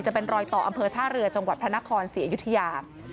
จะเป็นรอยต่ออำเภอท่าเรือจังหวัดพระนครศรีอยุธยา